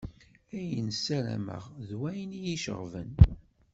Ayen ssaramaɣ, d wayen i yi-iceɣben.